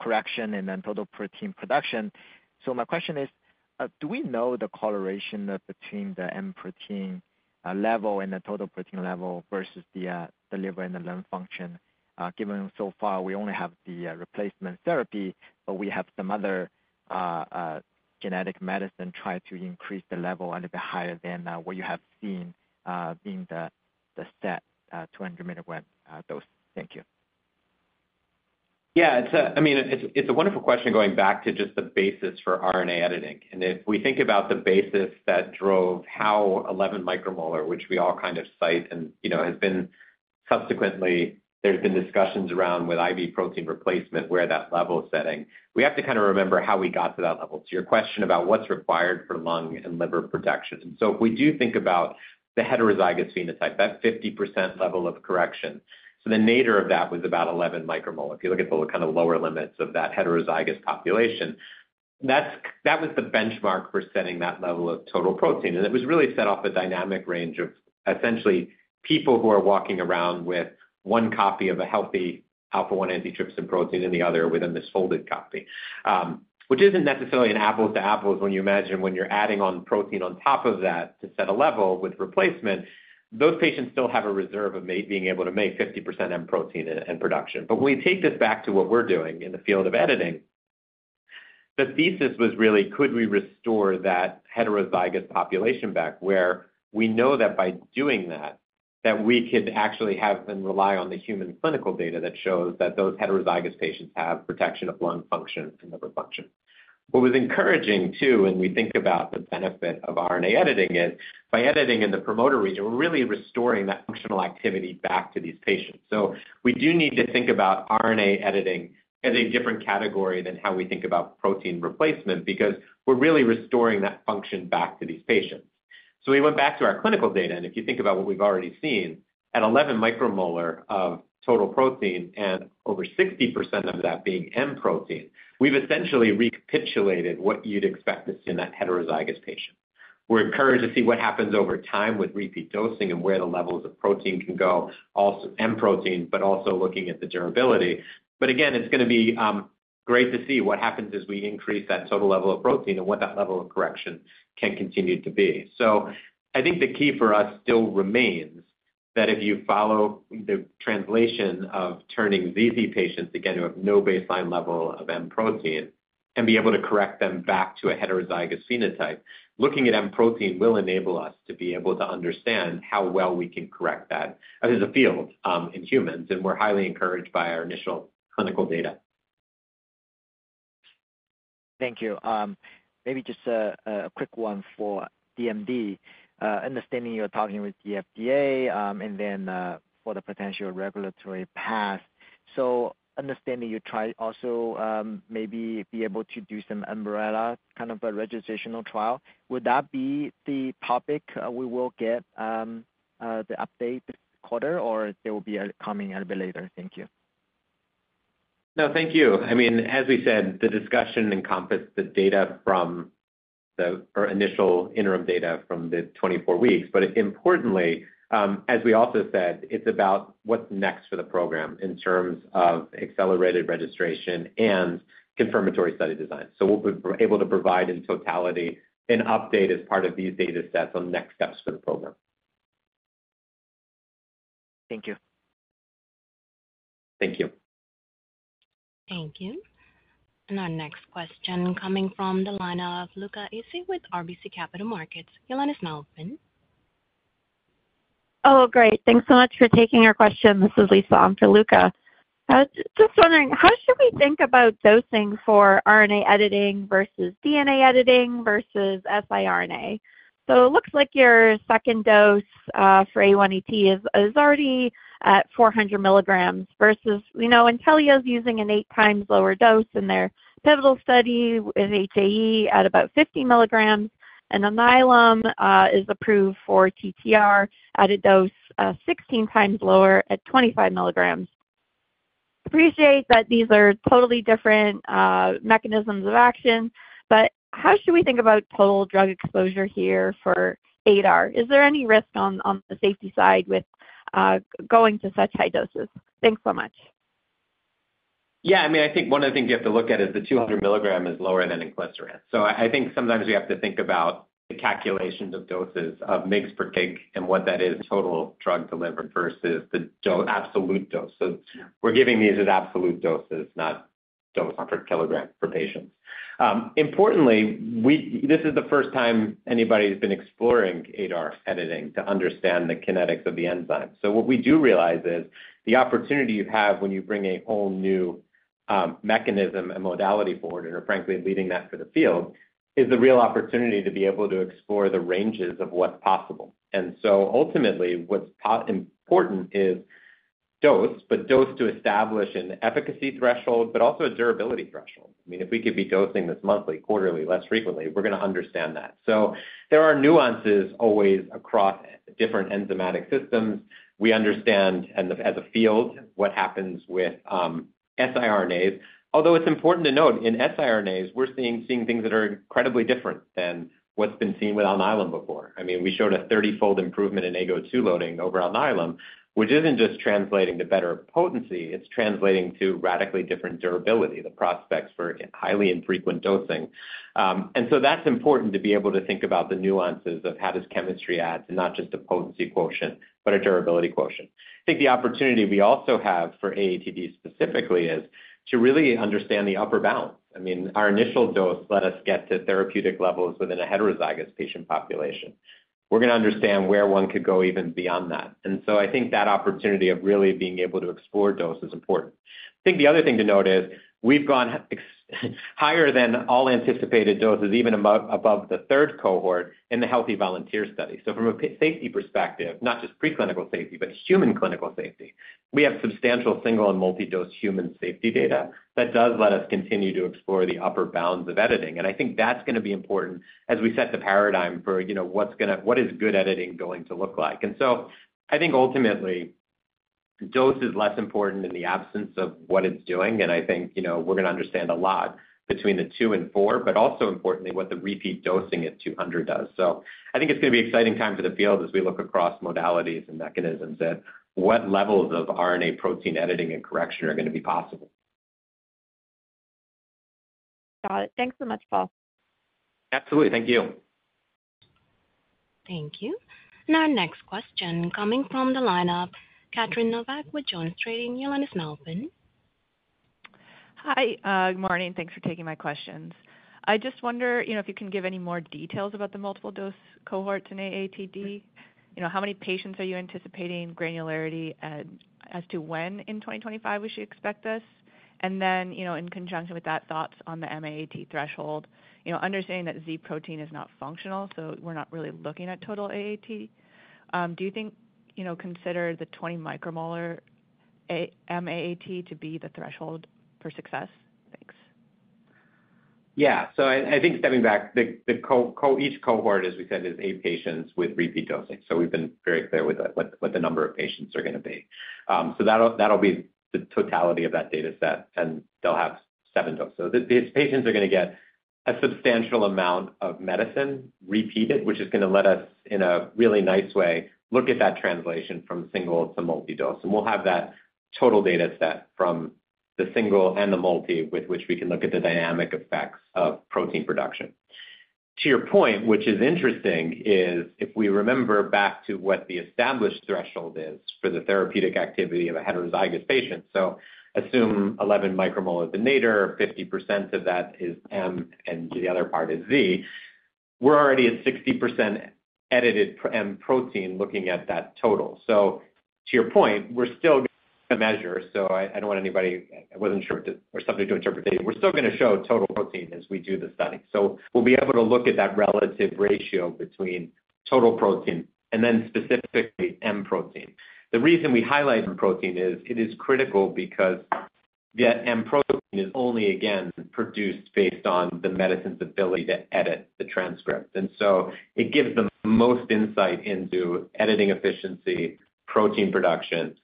correction and then total protein production. My question is, do we know the correlation between the M protein level and the total protein level versus the liver and the lung function? Given so far we only have the replacement therapy, but we have some other genetic medicine try to increase the level a little bit higher than what you have seen in the set 200-milligram dose. Thank you. Yeah. I mean, it's a wonderful question going back to just the basis for RNA editing. If we think about the basis that drove how 11 micromolar, which we all kind of cite and has been subsequently, there's been discussions around with IV protein replacement where that level setting, we have to kind of remember how we got to that level. Your question about what's required for lung and liver production. If we do think about the heterozygous phenotype, that 50% level of correction, the nadir of that was about 11 micromolar. If you look at the kind of lower limits of that heterozygous population, that was the benchmark for setting that level of total protein. It was really set off a dynamic range of essentially people who are walking around with one copy of a healthy alpha-1 antitrypsin protein and the other within this folded copy, which isn't necessarily an apples-to-apples when you imagine when you're adding on protein on top of that to set a level with replacement. Those patients still have a reserve of being able to make 50% M protein and production. When we take this back to what we're doing in the field of editing, the thesis was really, could we restore that heterozygous population back where we know that by doing that, that we could actually have and rely on the human clinical data that shows that those heterozygous patients have protection of lung function and liver function. What was encouraging too, when we think about the benefit of RNA editing, is by editing in the promoter region, we're really restoring that functional activity back to these patients. We do need to think about RNA editing as a different category than how we think about protein replacement because we're really restoring that function back to these patients. We went back to our clinical data. If you think about what we've already seen, at 11 micromolar of total protein and over 60% of that being M protein, we've essentially recapitulated what you'd expect to see in that heterozygous patient. We're encouraged to see what happens over time with repeat dosing and where the levels of protein can go, also M protein, but also looking at the durability. Again, it's going to be great to see what happens as we increase that total level of protein and what that level of correction can continue to be. I think the key for us still remains that if you follow the translation of turning ZZ patients, again, who have no baseline level of M protein, and be able to correct them back to a heterozygous phenotype, looking at M protein will enable us to be able to understand how well we can correct that as a field in humans. We're highly encouraged by our initial clinical data. Thank you. Maybe just a quick one for DMD. Understanding you're talking with the FDA and then for the potential regulatory path. Understanding you try also maybe be able to do some umbrella kind of a registrational trial. Would that be the topic we will get the update this quarter, or there will be a coming a little bit later? Thank you. No, thank you. I mean, as we said, the discussion encompassed the data from the initial interim data from the 24 weeks. Importantly, as we also said, it's about what's next for the program in terms of accelerated registration and confirmatory study design. We will be able to provide in totality an update as part of these data sets on next steps for the program. Thank you. Thank you. Thank you. Our next question coming from the line of Luca Issi with RBC Capital Markets. Your line is now open. Oh, great. Thanks so much for taking our question. This is Lisa. I'm for Luca. Just wondering, how should we think about dosing for RNA editing versus DNA editing versus siRNA? It looks like your second dose for AATD is already at 400 milligrams versus Intellia is using an eight times lower dose in their pivotal study with HAE at about 50 milligrams. And Alnylam is approved for TTR at a dose 16 times lower at 25 milligrams. Appreciate that these are totally different mechanisms of action, but how should we think about total drug exposure here for ADAR? Is there any risk on the safety side with going to such high doses? Thanks so much. Yeah. I mean, I think one of the things you have to look at is the 200 milligram is lower than in Questran. I think sometimes we have to think about the calculations of doses of milligrams per kilogram and what that is in total drug delivered versus the absolute dose. We're giving these as absolute doses, not dose per kilogram for patients. Importantly, this is the first time anybody has been exploring ADAR editing to understand the kinetics of the enzyme. What we do realize is the opportunity you have when you bring a whole new mechanism and modality forward and are frankly leading that for the field is the real opportunity to be able to explore the ranges of what's possible. Ultimately, what's important is dose, but dose to establish an efficacy threshold, but also a durability threshold. I mean, if we could be dosing this monthly, quarterly, less frequently, we're going to understand that. There are nuances always across different enzymatic systems. We understand as a field what happens with siRNAs. Although it's important to note, in siRNAs, we're seeing things that are incredibly different than what's been seen with Alnylam before. I mean, we showed a 30-fold improvement in AGO2 loading over Alnylam, which isn't just translating to better potency. It's translating to radically different durability, the prospects for highly infrequent dosing. That is important to be able to think about the nuances of how does chemistry add to not just a potency quotient, but a durability quotient. I think the opportunity we also have for AATD specifically is to really understand the upper bound. I mean, our initial dose let us get to therapeutic levels within a heterozygous patient population. We're going to understand where one could go even beyond that. I think that opportunity of really being able to explore dose is important. I think the other thing to note is we've gone higher than all anticipated doses, even above the third cohort in the healthy volunteer study. From a safety perspective, not just preclinical safety, but human clinical safety, we have substantial single and multi-dose human safety data that does let us continue to explore the upper bounds of editing. I think that's going to be important as we set the paradigm for what is good editing going to look like. I think ultimately, dose is less important in the absence of what it's doing. I think we're going to understand a lot between the two and four, but also importantly, what the repeat dosing at 200 does. I think it's going to be an exciting time for the field as we look across modalities and mechanisms at what levels of RNA protein editing and correction are going to be possible. Got it. Thanks so much, Paul. Absolutely. Thank you. Thank you. Our next question is coming from the line of Catherine Novack with Jones Trading, Your line is now open. Hi. Good morning. Thanks for taking my questions. I just wonder if you can give any more details about the multiple dose cohorts in AATD. How many patients are you anticipating, granularity as to when in 2025 we should expect this? In conjunction with that, thoughts on the M-AAT threshold, understanding that Z protein is not functional, so we're not really looking at total AAT. Do you consider the 20 micromolar M-AAT to be the threshold for success? Thanks. Yeah. I think stepping back, each cohort, as we said, is eight patients with repeat dosing. We've been very clear with what the number of patients are going to be. That will be the totality of that data set, and they'll have seven doses. These patients are going to get a substantial amount of medicine repeated, which is going to let us, in a really nice way, look at that translation from single to multi-dose. We'll have that total data set from the single and the multi with which we can look at the dynamic effects of protein production. To your point, which is interesting, is if we remember back to what the established threshold is for the therapeutic activity of a heterozygous patient, so assume 11 micromolar of the nadir, 50% of that is M, and the other part is Z, we're already at 60% edited M protein looking at that total. To your point, we're still going to measure. I don't want anybody—I wasn't sure—we're subject to interpretation. We're still going to show total protein as we do the study. We'll be able to look at that relative ratio between total protein and then specifically M protein. The reason we highlight M protein is it is critical because the M protein is only, again, produced based on the medicine's ability to edit the transcript. It gives the most insight into editing efficiency, protein production.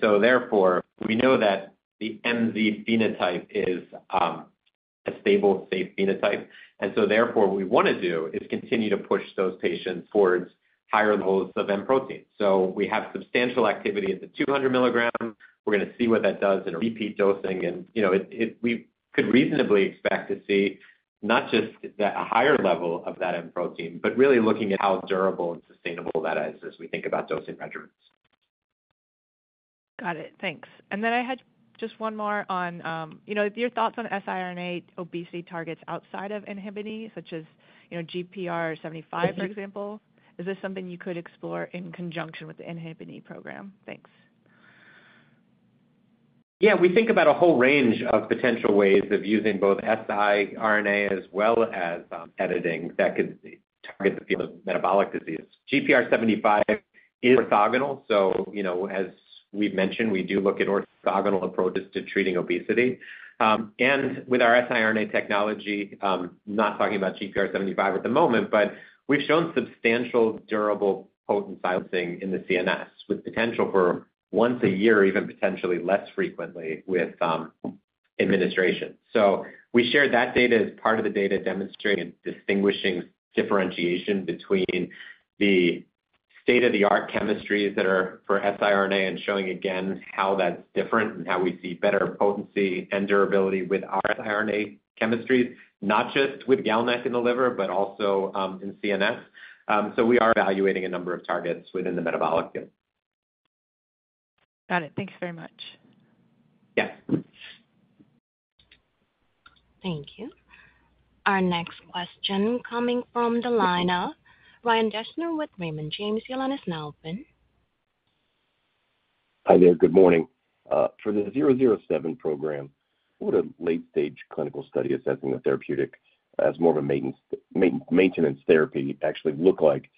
Therefore, we know that the MZ phenotype is a stable, safe phenotype. Therefore, what we want to do is continue to push those patients towards higher levels of M protein. We have substantial activity at the 200 milligram. We're going to see what that does in repeat dosing. We could reasonably expect to see not just a higher level of that M protein, but really looking at how durable and sustainable that is as we think about dosing regimens. Got it. Thanks.I had just one more on your thoughts on siRNA obesity targets outside of in hibin, such as GPR 75, for example. Is this something you could explore in conjunction with the inhibin program? Thanks. Yeah. We think about a whole range of potential ways of using both siRNA as well as editing that could target the field of metabolic disease. GPR 75 is orthogonal. As we've mentioned, we do look at orthogonal approaches to treating obesity. With our siRNA technology, not talking about GPR 75 at the moment, but we've shown substantial durable potent silencing in the CNS with potential for once a year, even potentially less frequently with administration. We shared that data as part of the data demonstrating and distinguishing differentiation between the state-of-the-art chemistries that are for siRNA and showing, again, how that's different and how we see better potency and durability with our siRNA chemistries, not just with GalNAc in the liver, but also in CNS. We are evaluating a number of targets within the metabolic field. Got it. Thanks very much. Yes. Thank you. Our next question coming from the line of Ryan Deschner with Raymond James, your line is now open. Hi there. Good morning. For the 007 program, what would a late-stage clinical study assessing the therapeutic as more of a maintenance therapy actually look like?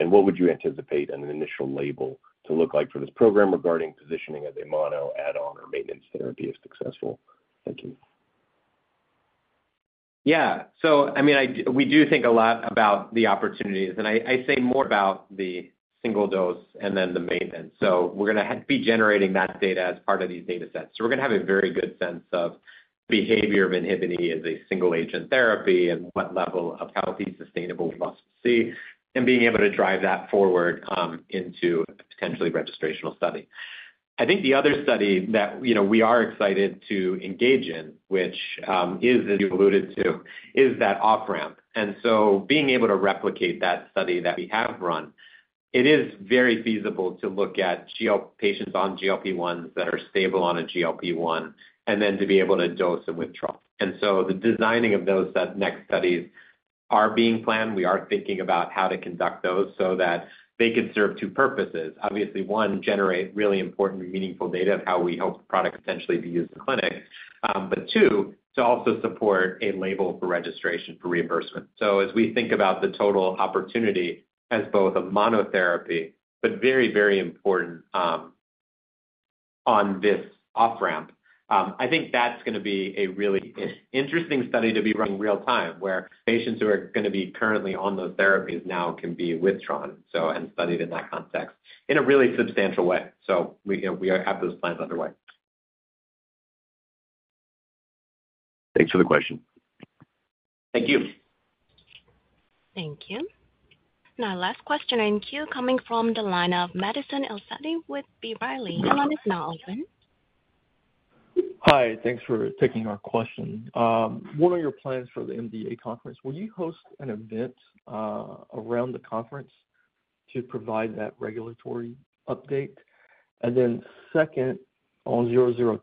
What would you anticipate on an initial label to look like for this program regarding positioning as a mono, add-on, or maintenance therapy if successful? Thank you. Yeah. I mean, we do think a lot about the opportunities. I say more about the single dose and then the maintenance. We are going to be generating that data as part of these data sets. We are going to have a very good sense of the behavior of inhibiting as a single-agent therapy and what level of healthy sustainable we must see and being able to drive that forward into a potentially registrational study. I think the other study that we are excited to engage in, which is, as you alluded to, is that off-ramp. Being able to replicate that study that we have run, it is very feasible to look at patients on GLP-1s that are stable on a GLP-1 and then to be able to dose and withdraw. The designing of those next studies are being planned. We are thinking about how to conduct those so that they could serve two purposes. Obviously, one, generate really important, meaningful data of how we hope the product potentially be used in clinics, but two, to also support a label for registration for reimbursement. As we think about the total opportunity as both a monotherapy, but very, very important on this off-ramp, I think that's going to be a really interesting study to be running real-time where patients who are going to be currently on those therapies now can be withdrawn and studied in that context in a really substantial way. We have those plans underway. Thanks for the question. Thank you. Thank you. Our last question and Q coming from the line of Madison El-Saadi with B. Riley. Your line is now open. Hi. Thanks for taking our question. What are your plans for the MDA conference? Will you host an event around the conference to provide that regulatory update? Then second, on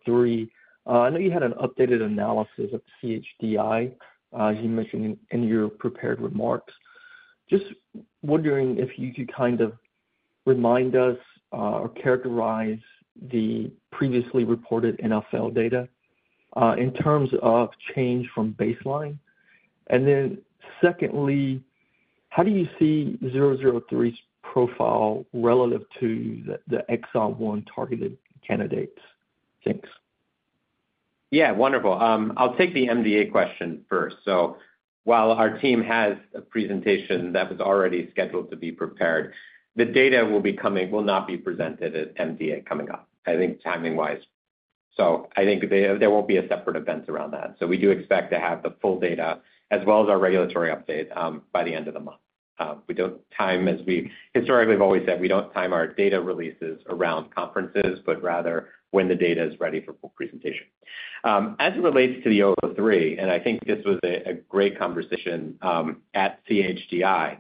003, I know you had an updated analysis of CHDI, as you mentioned in your prepared remarks. Just wondering if you could kind of remind us or characterize the previously reported NFL data in terms of change from baseline. Then secondly, how do you see 003's profile relative to the exon one targeted candidates? Thanks. Yeah. Wonderful. I'll take the MDA question first. While our team has a presentation that was already scheduled to be prepared, the data will not be presented at MDA coming up, I think timing-wise. I think there won't be a separate event around that. We do expect to have the full data as well as our regulatory update by the end of the month. We do not time, as we historically have always said, we do not time our data releases around conferences, but rather when the data is ready for presentation. As it relates to the 003, and I think this was a great conversation at CHDI,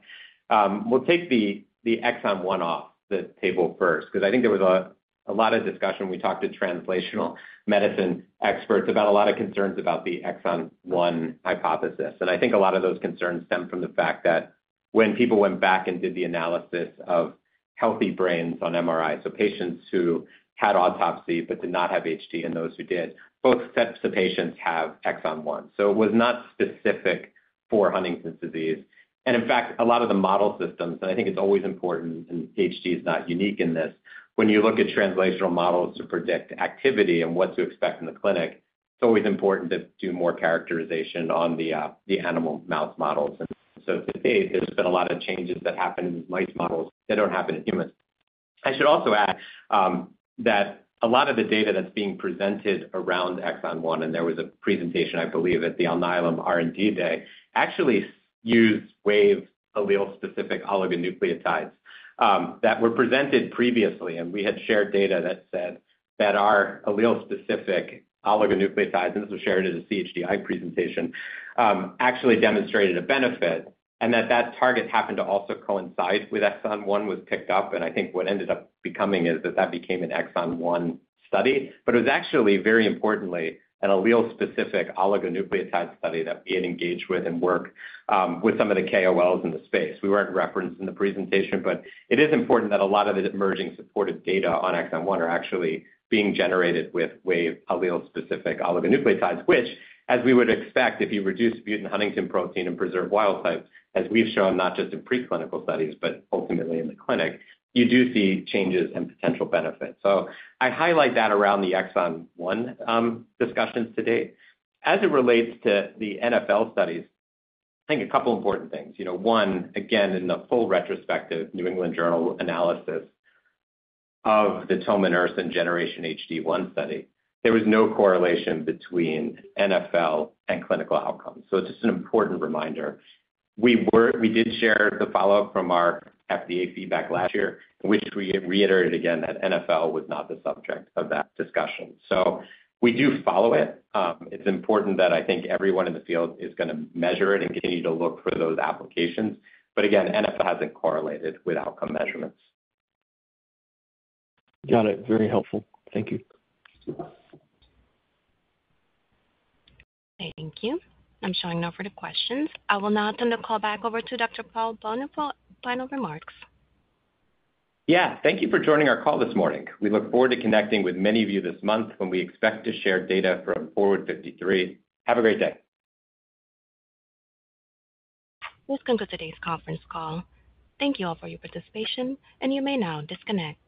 we will take the exon one off the table first because I think there was a lot of discussion. We talked to translational medicine experts about a lot of concerns about the exon one hypothesis. I think a lot of those concerns stem from the fact that when people went back and did the analysis of healthy brains on MRI, so patients who had autopsy but did not have HD and those who did, both sets of patients have exon one. It was not specific for Huntington's disease. In fact, a lot of the model systems, and I think it's always important, and HD is not unique in this, when you look at translational models to predict activity and what to expect in the clinic, it's always important to do more characterization on the animal mouse models. To date, there's been a lot of changes that happened in these mouse models that don't happen in humans. I should also add that a lot of the data that's being presented around exon one, and there was a presentation, I believe, at the Alnylam R&D Day, actually used Wave allele-specific oligonucleotides that were presented previously. We had shared data that said that our allele-specific oligonucleotides, and this was shared in a CHDI presentation, actually demonstrated a benefit and that that target happened to also coincide with exon one was picked up. I think what ended up becoming is that that became an exon one study. It was actually, very importantly, an allele-specific oligonucleotide study that we had engaged with and worked with some of the KOLs in the space. We were not referenced in the presentation, but it is important that a lot of the emerging supportive data on exon one are actually being generated with Wave allele-specific oligonucleotides, which, as we would expect, if you reduce mutant Huntington protein and preserve wild types, as we have shown not just in preclinical studies, but ultimately in the clinic, you do see changes and potential benefits. I highlight that around the exon one discussions to date. As it relates to the NFL studies, I think a couple of important things. One, again, in the full retrospective New England Journal of Medicine of the Tominersen and Generation HD, there was no correlation between NFL and clinical outcomes. It is just an important reminder. We did share the follow-up from our FDA feedback last year, in which we reiterated again that NFL was not the subject of that discussion. We do follow it. It is important that I think everyone in the field is going to measure it and continue to look for those applications. Again, NFL has not correlated with outcome measurements. Got it. Very helpful. Thank you. Thank you. I am showing no further questions. I will now turn the call back over to Dr. Paul B. Bolno for final remarks. Thank you for joining our call this morning. We look forward to connecting with many of you this month when we expect to share data from Forward 53. Have a great day. This concludes today's conference call. Thank you all for your participation, and you may now disconnect.